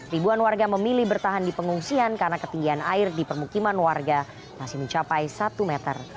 ribuan warga memilih bertahan di pengungsian karena ketinggian air di permukiman warga masih mencapai satu meter